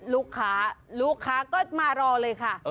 ลูกค้าลูกค้าก็มารอเลยค่ะ